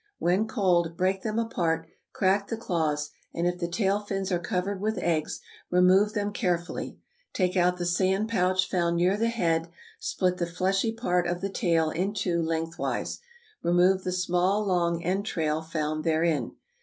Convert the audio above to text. When cold, break them apart; crack the claws, and if the tail fins are covered with eggs remove them carefully. Take out the sand pouch found near the head; split the fleshy part of the tail in two lengthwise, remove the small long entrail found therein.